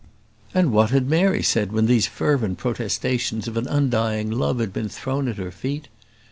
And what had Mary said when these fervent protestations of an undying love had been thrown at her feet?